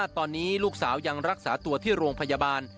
ตอนนี้ลูกสาวยังรักษาตัวที่โรงพยาบาล